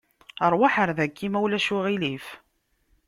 Aṛwaḥ ar daki ma ulac aɣilif.